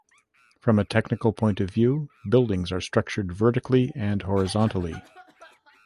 From a technical point of view, buildings are structured vertically and horizontally.